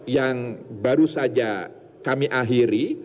yang baru saja kami akhiri